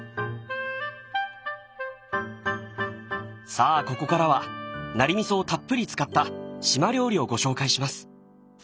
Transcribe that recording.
さあここからはナリ味噌をたっぷり使った島料理をご紹介します。